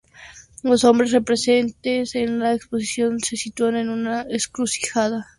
Los nombres presentes en la exposición se sitúan en una encrucijada muy determinada.